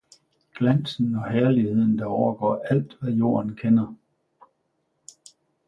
»Glandsen og Herligheden der overgaaer Alt hvad Jorden kjender!